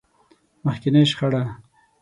مخکينۍ شخړه.